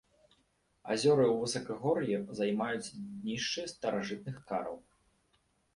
Азёры ў высакагор'і займаюць днішчы старажытных караў.